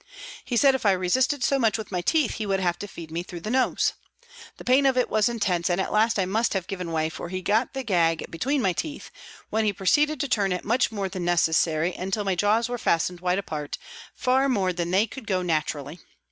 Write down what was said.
He said if I resisted so much with my teeth, he would have to feed me through the nose. The pain of it was intense and at last I must have given way for he got the gag between my teeth, when he proceeded to turn it much more than neces sary until my jaws were fastened wide apart, far more than they could go naturally.